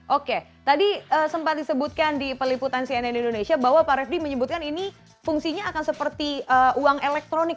oke tadi sempat disebutkan di peliputan cnn indonesia bahwa pak refdi menyebutkan ini fungsinya akan seperti uang elektronik